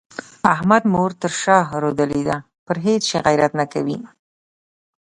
احمد مور تر شا رودلې ده؛ پر هيڅ شي غيرت نه کوي.